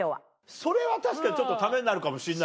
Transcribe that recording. それは確かにちょっとためになるかもしれないな。